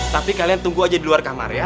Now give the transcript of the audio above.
tapi kalian tunggu aja di luar kamar ya